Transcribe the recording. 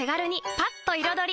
パッと彩り！